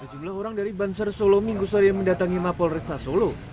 sejumlah orang dari banser solo minggu soe yang mendatangi mapol resta solo